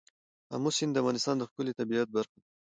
آمو سیند د افغانستان د ښکلي طبیعت برخه ده.